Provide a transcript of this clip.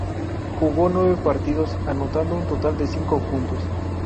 Jugó nueve partidos, anotando un total de cinco puntos.